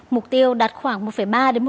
mục tiêu đạt khoảng một ba triệu